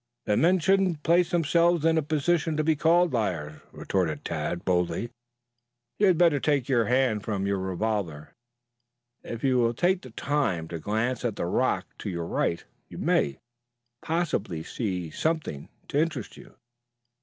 "Then men shouldn't place themselves in a position to be called liars," retorted Tad boldly. "You had better take your hand from your revolver. If you will take the time to glance at the rock to your right you may possibly see something to interest you."